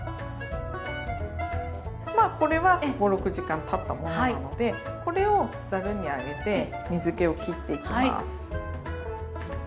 まあこれは５６時間たったものなのでこれをざるに上げて水けをきっていきます。